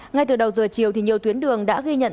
ngay từ đầu giờ chiều thì nhiều tuyến đường đã ghi nhận